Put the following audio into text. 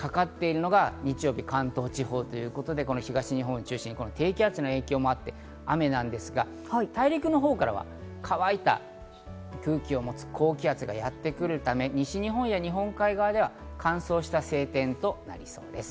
そこにかかっているのが関東地方ということで、東日本中心に低気圧の影響もあって雨なんですが大陸のほうからは乾いた空気を持つ高気圧がやってくるため、西日本や日本海側では乾燥した晴天となりそうです。